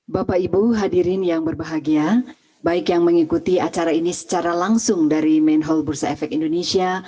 bapak ibu hadirin yang berbahagia baik yang mengikuti acara ini secara langsung dari main hall bursa efek indonesia